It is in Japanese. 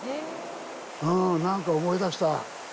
うん、なんか思い出した。